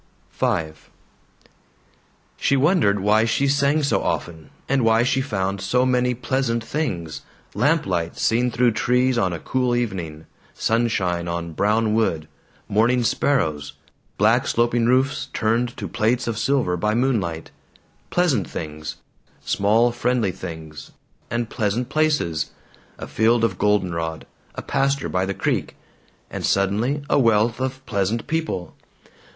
V She wondered why she sang so often, and why she found so many pleasant things lamplight seen though trees on a cool evening, sunshine on brown wood, morning sparrows, black sloping roofs turned to plates of silver by moonlight. Pleasant things, small friendly things, and pleasant places a field of goldenrod, a pasture by the creek and suddenly a wealth of pleasant people.